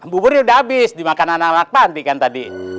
buburnya udah habis dimakan anak anak panti kan tadi